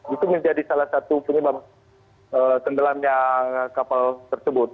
itu menjadi salah satu penyebab tenggelamnya kapal tersebut